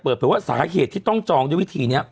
เปิดเผยว่าสาเหตุที่ต้องจองด้วยวิธีนี้